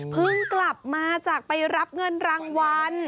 กลับมาจากไปรับเงินรางวัล